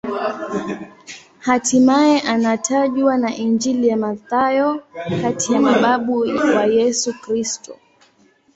Hatimaye anatajwa na Injili ya Mathayo kati ya mababu wa Yesu Kristo.